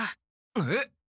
えっ？